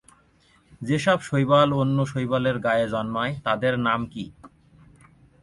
যেসব শৈবাল অন্য শৈবালের গায়ে জন্মায় তাদের নাম কী?